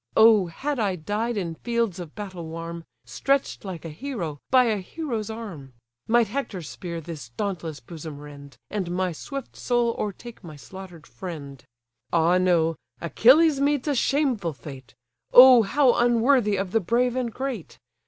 Oh! had I died in fields of battle warm, Stretch'd like a hero, by a hero's arm! Might Hector's spear this dauntless bosom rend, And my swift soul o'ertake my slaughter'd friend. Ah no! Achilles meets a shameful fate, Oh how unworthy of the brave and great!